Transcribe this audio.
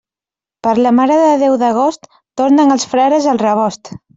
Per la Mare de Déu d'agost, tornen els frares al rebost.